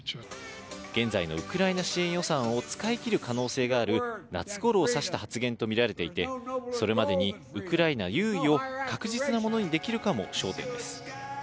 現在のウクライナ支援予算を使い切る可能性がある夏ごろを指した発言と見られていて、それまでにウクライナ優位を確実なものにできるかも焦点です。